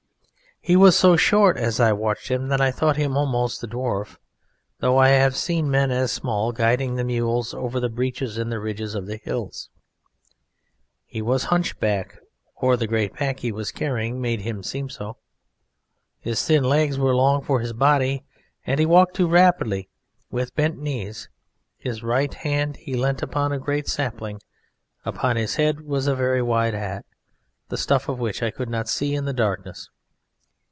He was so short as I watched him that I thought him almost a dwarf, though I have seen men as small guiding the mules over the breaches in the ridge of the hills. He was hunchback, or the great pack he was carrying made him seem so. His thin legs were long for his body, and he walked too rapidly, with bent knees; his right hand he leant upon a great sapling; upon his head was a very wide hat, the stuff of which I could not see in the darkness.